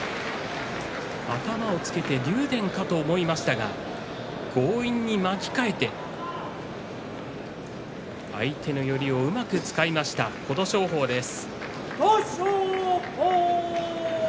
頭をつけて竜電かと思いましたが強引に巻き替えて相手の寄りをうまく使いました琴勝峰です。